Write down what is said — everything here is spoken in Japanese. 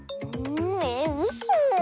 えうそ。